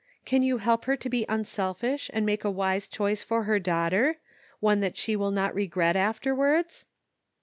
Can you help her to be unselfish and make a wise choice for her daughter — one that she will not regret afterwards